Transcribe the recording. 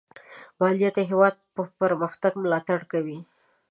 مالیه د هېواد پرمختګ ملاتړ کوي.